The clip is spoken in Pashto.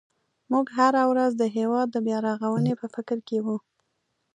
موږ هره ورځ د هېواد د بیا رغونې په فکر کې وو.